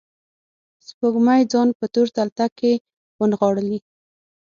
سپوږمۍ ځان په تور تلتک کې ونغاړلي